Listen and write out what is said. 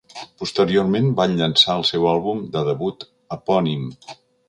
Posteriorment van llançar el seu àlbum de debut epònim.